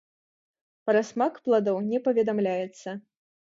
Пра смак пладоў не паведамляецца.